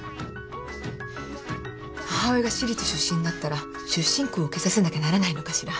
母親が私立出身だったら出身校を受けさせなきゃならないのかしら？